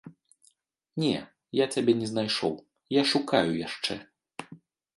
Не, я цябе не знайшоў, я шукаю яшчэ.